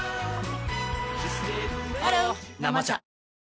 ハロー「生茶」